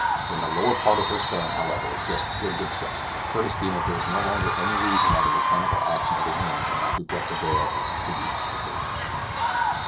When the lowest part of her stern, however, just cleared the obstruction, Curtis deemed that there was no longer any reason why the mechanical action of the wind should not be brought to bear and contribute its assistance.